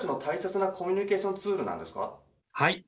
はい。